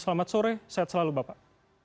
selamat sore sehat selalu bapak